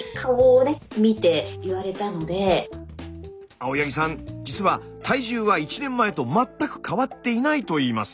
青柳さん実は体重は１年前と全く変わっていないといいます。